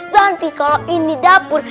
nanti kalau ini dapur